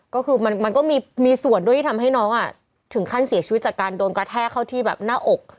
ก็คือมันก็มีส่วนด้วยที่ทำให้น้องถึงขั้นเสียชีวิตจากการโดนกระแทกเข้าที่แบบหน้าอก